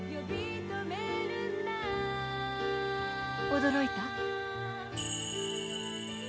「驚いた？」